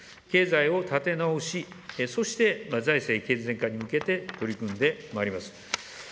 経済を立て直し、そして財政健全化に向けて取り組んでまいります。